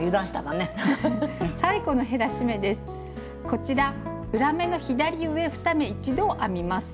こちら「裏目の左上２目一度」を編みます。